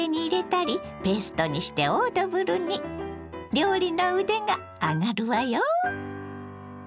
料理の腕が上がるわよ。